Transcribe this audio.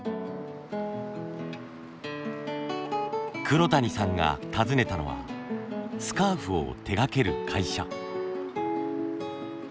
黒谷さんが訪ねたのはスカーフを手がける会社。